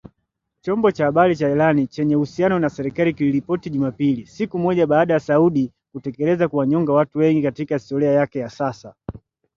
Chombo cha habari cha Iran chenye uhusiano na serikali kiliripoti Jumapili, siku moja baada ya Saudi kutekeleza kuwanyonga watu wengi katika historia yake ya sasa.